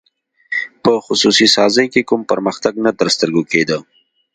په خصوصي سازۍ کې کوم پرمختګ نه تر سترګو کېده.